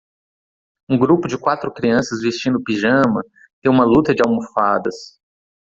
Um grupo de quatro crianças vestindo pijama tem uma luta de almofadas.